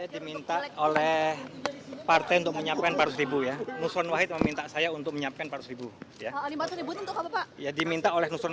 berarti hanya untuk pilak atau juga pilpres pak